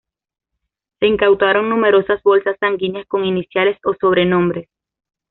Se incautaron numerosas bolsas sanguíneas con iniciales o sobrenombres.